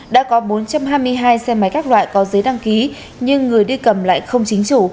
đã có bốn trăm hai mươi hai xe máy các loại có giấy đăng ký nhưng người đi cầm lại không chính chủ